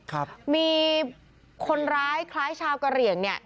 ครับมีคนร้ายคล้ายชาวกะเหลี่ยงเนี่ย